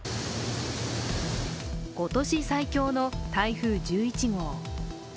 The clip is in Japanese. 今年最強の台風１１号。